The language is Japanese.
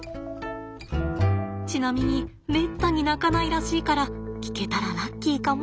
ちなみにめったに鳴かないらしいから聞けたらラッキーかも。